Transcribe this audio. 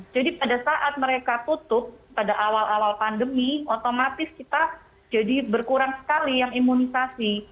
jadi pada saat mereka tutup pada awal awal pandemi otomatis kita jadi berkurang sekali yang imunisasi